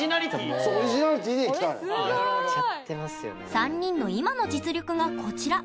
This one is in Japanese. ３人の今の実力がこちら。